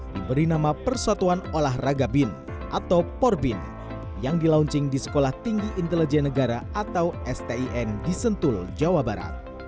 diberi nama persatuan olahraga bin atau porbin yang dilaunching di sekolah tinggi intelijen negara atau stin di sentul jawa barat